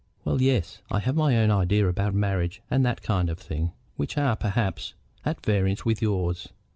"Well, yes. I have my own ideas about marriage and that kind of thing, which are, perhaps, at variance with yours."